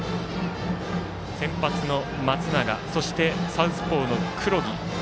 先発の松永そして、サウスポーの黒木。